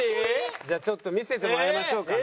じゃあちょっと見せてもらいましょうかね。